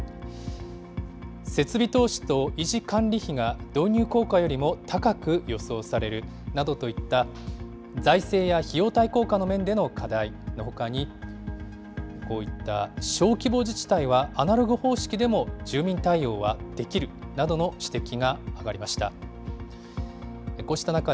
設備投資と維持管理費が導入効果よりも高く予想されるなどといった、財政や費用対効果の面での課題のほかに、こういった小規模自治体は、アナログ方式での住民対応はできるなどの指摘があがりました。